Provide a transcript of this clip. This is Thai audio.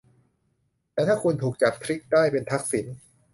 แต่ถ้าคนถูกจับทริกได้เป็นทักษิณ